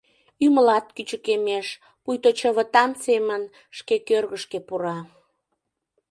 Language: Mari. Ӱмылат кӱчыкемеш, пуйто чывытан семын шке кӧргышкӧ пура...